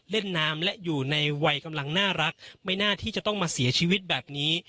เล่นน้ำและอยู่ในวัยกำลังน่ารักไม่น่าที่จะต้องมาเสียชีวิตแบบนี้